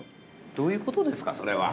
◆どういうことですか、それは。